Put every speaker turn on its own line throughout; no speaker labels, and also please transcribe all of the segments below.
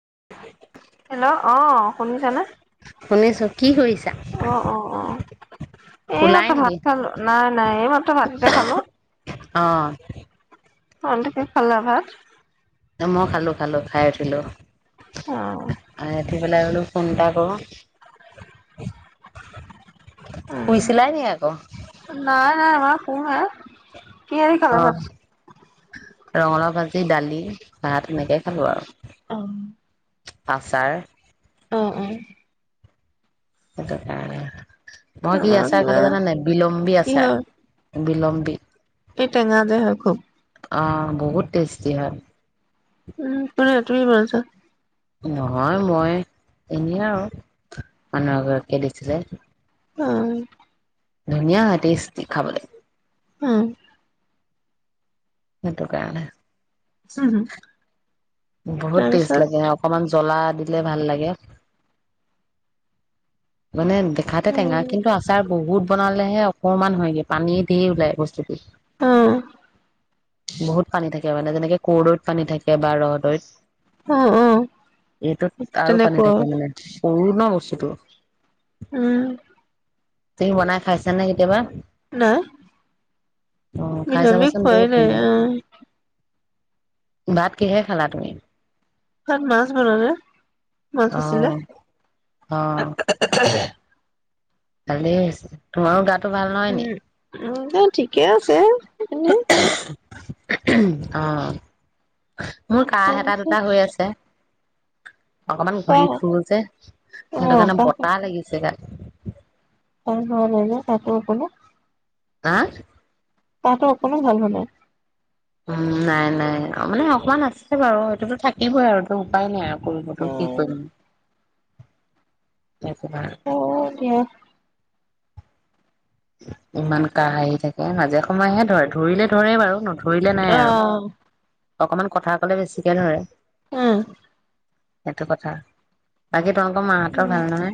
[unintelligible]
Hello অ শুনিছানে
শুনিছো কি কৰিছা
অ অ অ এই
শুলাই
মাত্ৰ
নেকি
ভাত খালো নাই নাই এইমাত্ৰ ভাত এতেটা খালো
অ
অ কি খালা ভাত
মই খালো খালো খাই উঠিলোঁ
অ
উঠি পেলাই বোলো কোনবা গ'ল শুই চলাই নি আকৌ
আ আ শুম আ আ কি হে দি
অ
খালে ভাত
ৰঙালাও ভাজি দালি ভাত তেনেকেইে খালোঁ
অ
আৰু আচাৰ
অ অ
সেই টোৰ কাৰনে ময় কি
আমাৰ
আচাৰ
কিবা
খালে জান নাই বিলম্বী আচাৰ বিলম্ব কুবি
এইটাঙা দেহা খুব
বহুত টেষ্টি হ
উম তুমি তুমি বনাইছা
নহয় মই এনেই আৰু মানুহ এগৰাকীয়ে দিছিলে
অ
ধুনীয়া টেষ্টি খাবলৈ
উম
হেইতো কাৰনে
হম হুম
বহুত টেষ্টি লাগে অকমান জ্বলা দিলে ভাল লাগে মানে দেখাতে টেঙা কিন্তু আচাৰ বহুত বনালেহে অকণমান হয়গে পানী ধেৰ ওলাই বস্তু
অ
[unintelligible] বহুত পানী থাকে মানে যেনেকে কৰদৈত পানী থাকে বা ৰ'দ [unintelligible]
অ অ
এইটোত আৰু পানী
তেনেকুৱা
থাকে মানে সৰু ন বস্তু টো [inaudible]
উম
তুমি বনাই খাইছা নে কেতিয়াবা
নাই
অ খাই
বিলামি
চাবাচোন
কৰা
বহুত
নাই
ধুনীয়া।
অ
ভাত কিহে খালা তুমি
তাত মাছ বনালে মাছ
অ
আছিলে
অ
[unintelligible]
ভালেই তোমাৰো গাত
উম ঠিকে আছে এনে
[unintelligible] অ মোৰ কাহ এটা
তাৰপিছত
দুটা হৈ আছে অকমান ঘূৰি
কাহ
ফুুৰো যে সেইটো
অ',
কাৰণে
কাহটো
বতাহ লাগিছে গাত
[unintelligible]
হা
গাটো অকণো ভাল হোৱা নাই
উম নাই নাই মানে অকমান আছে বাৰু সেইটোতো থাকিবই আৰু টো উপায় নাই আৰু পৰিৱৰ্তন কি কৰিম
অ', অ দিয়া
ইমান কাহি আহি থাকে মাজে সময়েহে ধৰে ধৰিলে ধৰে বাৰু নতু ধৰিলে নাই আৰু
অ',
অকমান কথা কলে বেছিকে ধৰে
উম
সেইটো কথা বাকী তোমালোকৰ
উ
মাহঁতৰ ভাল নহয়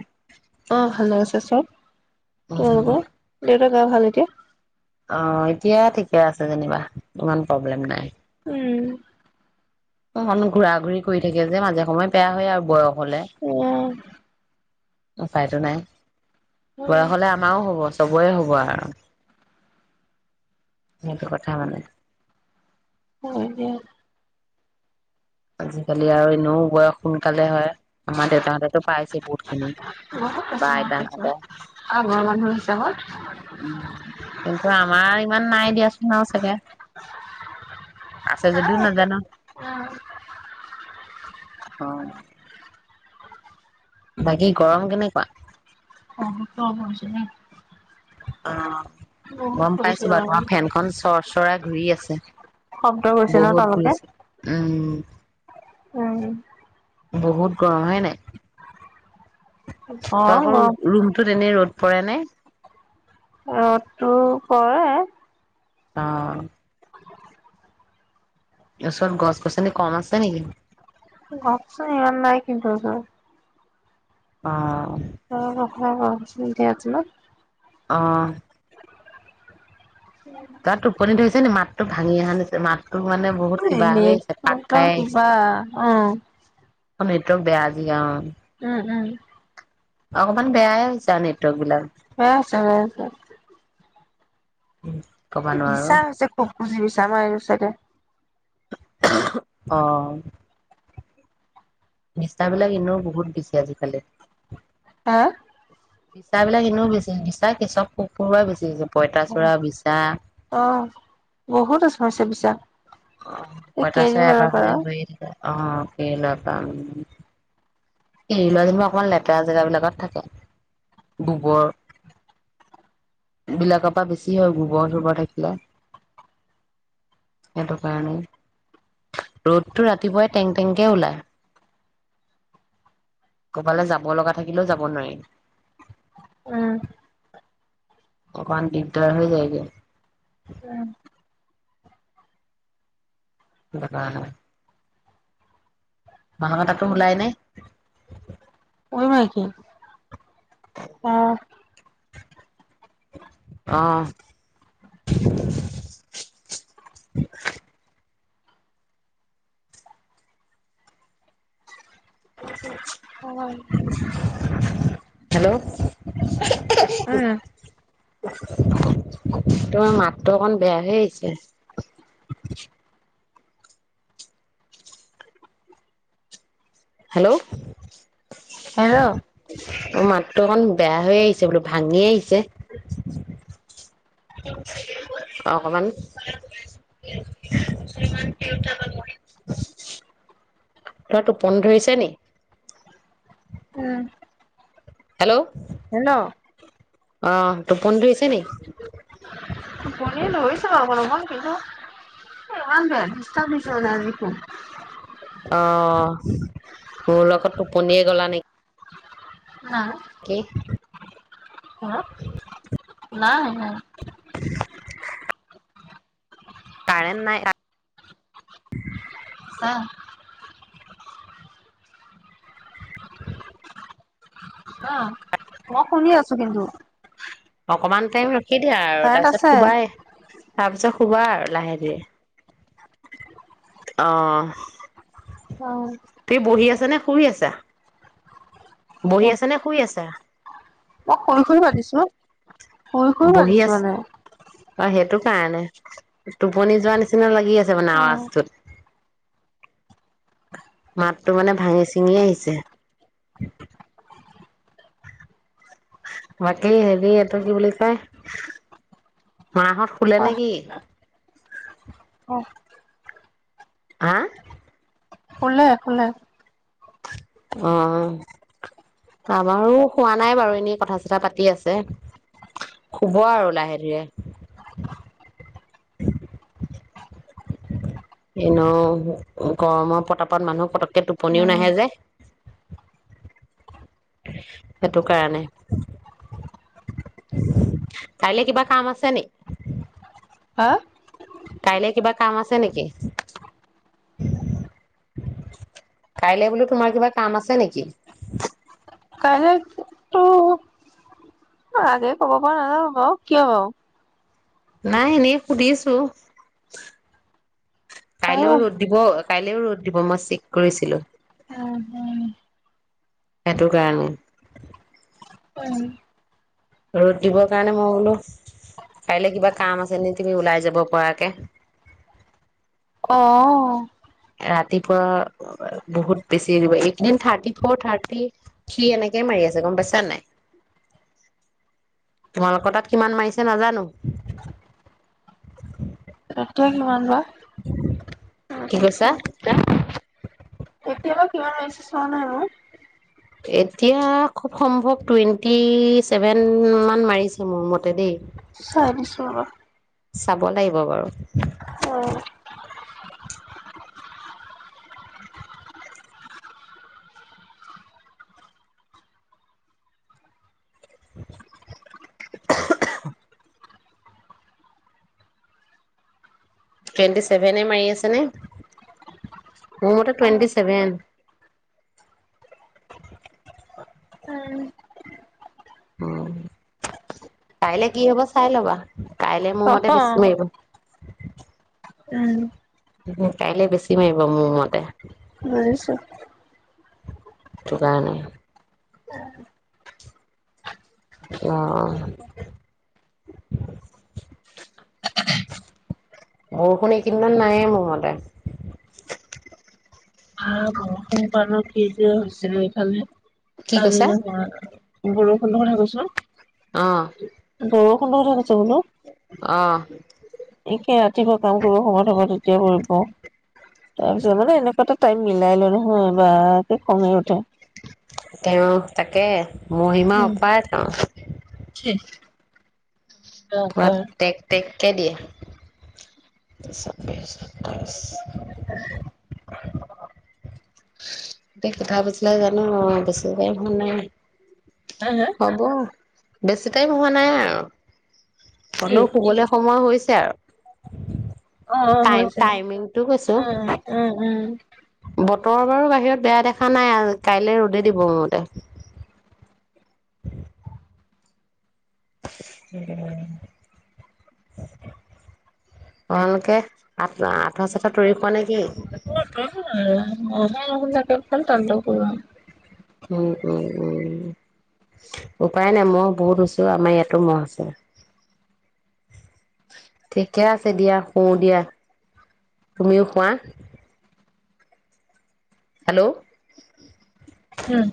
অহ ভালে আছে চব
প
তোমালোকৰ?
[unintelligible]
গা ভাল এতিয়া
অ এতিয়া ঠিকে আছে যেনিবা ইমান প্ৰব্লেম নাই
উম
অ মানো ঘূৰা ঘূৰি কৰি থাকে যে মাজে সময়ে বেয়া হয় আৰু বয়স বলে
অ
ওপাইটো নাই বয়স হলে আমাৰও হ'ব চবৰে হ'ব আৰু সেইটো কথা মানে
হয় দিয়।
আজিকালি আৰু ন বয়স। সোনকালে হয় আমাৰ দেউতাহঁতেতটো পাইছে বহুত খিনি
বহুত
বা
পইচা হৈছে
আইতাহতে
আগৰ মানুহৰ হিচাপত
উম কিন্তু আমাৰ ইমান নাই দিয়াচোন আৰু চাগে আছে যদিও নাজানো অ অ বাকী গৰম কেনেকুৱা।
অ ক হৈছে ন।
অ গম
কৰিছে
পাইছো বাৰু তোমাৰ ফেনখন চৰ চৰাই ঘূৰি আছে
শব্দ কৰিছে ন'
বহুত
তেওঁলোকে
ঘূৰিছে উম
উম
বহুত গৰম হয়ে নাই।
অ',
তালোকৰ
গৰম
ৰুমতটো তেনেই ৰ'দ পৰেনে
অ ৰ'দ টো পৰে।
অ
[unintelligible]
ওচৰত গছ গছনি কম আছে নেকি?
ভাবচোন ইমান নাই কিন্তো আছোন
অ
অ চধি আছো ন
অ তাৰ টোপনী ধৰিছে। তোৰ মাততটো ভাঙি আহে মাত আহিছে।
কেইবা উ
অ নেটৱৰ্ক বেয়া আজি অ
উম উম
অকমান বেয়াই হৈছে নেটৱৰ্ক বিলাক
হই আছে বাৰু এতিয়া
ক'ব নোৱাৰো
নিছা হৈছে কো। ভাবি চাব আৰু ছাগে।
উহ অ নিচিনাবিলাক এনেও বহুত বেছি আজিকালি।
হয়
নিচাবিলাক এনেও বেছি নিচা পেছা পক্ষবেছি।
অ বহুত ওচৰ চাপিছে
অ পইতছোৰা এবাৰ
পৰা
হ'লে হৈয়ে থাকে অ কল আৰু পানি এৰি লোৱা যেনিবা অকমান লেতেৰা জেগ বিিলাকত থাকে গোবৰ বিলাকৰ পৰা বেছি হয় গোবৰ চোবৰ থাকিলে সেইটো কাৰণেই ৰ'দতটো ৰাতিপুৱাই টেং টেংকে ওলাই। ক'বালে যাব লগা থাকিলেও যাব নোৱাৰিম
উম
অকমান দিগদাৰ হৈ যায়গে উ মনঙতকে মুলাইনে
ন কি [unintelligible] অ
অ হেল্ল'
উম
তোমাৰ মাতটো অকণ বেয়া হৈ আহিছে হেল্ল'
হেল্ল'
অ মাতটো অকণ বেয়া হৈ আহিছে বোলো ভাঙি আহিছে অ অকমান অ টোপন ধৰিছে নি
উম
হেল্ল'?
হেল্ল'?
আহ, টোপনি ধৰিছে নি?
টোপনিয়ে ধৰিছে আৰু অকণ-অকণ কিন্তু হে ভ ব বছ পিছ নজো [unintelligible] [unintelligible]
অ, মোৰলগত টোপনিয়ে গলা নেকি?
নাই
কি [unintelligible] উ [unintelligible]
নাই-নাই।
কাৰেন নাই [unintelligible]
উ [unintelligible] হ, মই শুনি আছো কিন্তু
অকমান টাইম সেইতি আৰু
কাৰেণ্ট
তাৰপিছত
আছে।
সোবাই, তাৰপিছত শুৱা আৰু লাহে ধীৰে, আহ
অ
তুমি বহি আছা নে শুই আছা? বহি আছা নে শুই আছা?
অই শুই-শুই মাতিছো শুই-শুই
বহি
পাজিছো
আছে
মানে
অ সেইটো কাৰণে, টোপনি যোৱা নিচিনা লাগি আছে মানে আৱাজটোত মাতটো মানে ভাঙি-চিঙি আহিছে। বাকী হেৰি এইটো কি বুলি কয়, মাহত শুলে নে
অ
কি? আহ?
খোলে-খোলে।
আহ, আমাৰো হোৱা নাই বাৰু এনেই কথা-চথা পাতি আছে, শুব আৰু লাহে ধীৰে। এনে গৰমত পতাপত মানুহ পতককে টোপনিও নাহে যে, সেইটো কাৰণে, কাইলে কিবা কাম আছে নিে?
হা?
কাইলে কিবা কাম আছে নেকি? কাইলে বোলো তোমাৰ কিবা কাম আছে নেকি?
কাইলৈ অ আগে ক'ব পৰা নাজা বাৰ, কিয়?
নাই এনেই সুধিছো, কাইলেও
পাৰিব।
ৰ'দ দিব-কাইলেও ৰ'দ দিব মই চেক কৰিছিলো।
উম
সেইটো কাৰণে।
উম।
ৰ'দ দিবৰ কাৰণে মই বোলো, কাইলে কিবা কাম আছে নে তুমি ওলাই যাব পৰাকে?
অ
ৰাতিপুৱা বহুত বেছি, এইকেইদিন থাৰ্টি ফৰ, থাৰ্টি থ্ৰী এনেকেই মাৰি আছে গম পাইছা নাই, তোমালোকৰ তাত কিমান মাৰিছে নাজানো।
এতিয়া কিমান বা?
কি কৈছা
[unintelligible] এতিয়ালে কিমান হৈছে চোৱা না এবাৰ?
এতিয়া,, খুব সম্ভৱ টুৱেণ্টি ছেভেন মান মাৰিছে মোৰ মতে দেই।
চাই দিছো ৰবা।
চাব লাগিব বাৰু।
উ।
[unintelligible] টুৱেণ্টি চেভেনে মাৰি আছেনে? মোৰ মতে টুৱেণ্টি চেভেন। উ, কাইলে কি হব চাই ল'বা। কাইলৈ মোৰ মতে
অ
বেছি মাৰিব।
উম।
কাইলে বেছি মাৰিব মোৰ মতে।
বুজিছো।
সেইটো কাৰণে। অহ' বৰষুণ এইকেইদিনমান নাহে মোৰ মতে,
[unintelligible] হৈছিলে এইফালে
কি
কালি
কৈছা
নায় [unintelligible] বৰষুণৰ কথা কৈছো।
অ'।
[unintelligible] [unintelligible]
[unintelligible]
একে ৰাতিপুৱা কাম কৰিব সময় হ'ব তেতিয়া কৰিব তাই মিলাই লয় নহয় বা কম তোক।
তেওঁ তাকে। মহিমা
উম
অপাৰ টো।
ছেহ হা
[unintelligible] কে দিয়ে, এতিয়া কেইটা বাজিলে জানো বেছি টাইম হোৱা নাই।
হা
হব। বেছি টাইম হোৱা নাই আৰু।
কি
হ'লেও শুবলে সময় হৈছে। [unintelligible]
অ' অ'
টাইম
হৈছে
টাইমিংটো কৈছো
উম, উম উম।
বতৰ বাৰু বাহিৰত বেয়া দেখা নাই আৰু কাইলে ৰদে দিব মোৰ মতে। [inaudible] ভালকে আঠ আঠোৱা চাঠোৱা তৰি শুৱা নেকি?
[unintelligible]
উম, উম, উম। উপায় নাই মহ বহুত হৈছে আমাৰ ইয়াতো মহ আছে, ঠিকে আছে দিয়া শুওঁ দিয়া তুমিও শুৱা। হেল্ল'।
উম।